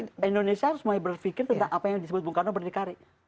dan indonesia harus mulai berpikir tentang apa yang disebut bung karno berdekari